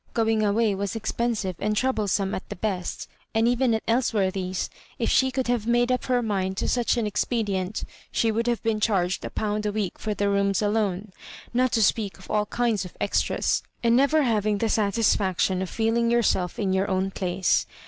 Going away was expen sive and troublesome at the best ; and even at Elsworthy's, if she could have made up her mind to such an expedient, she would have been charg ed a pound a week for the rooms alone, not to speak of all kinds of extras, and never having the satisfaction of feeling yourself in your own place.